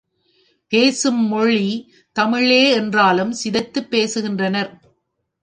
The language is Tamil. பேசும் மொழி தமிழே என்றாலும் சிதைத்துப் பேசுகின்றனர்.